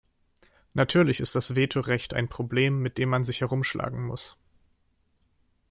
Natürlich ist das Vetorecht ein Problem, mit dem man sich herumschlagen muss.